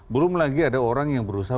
belum lagi ada orang yang berusaha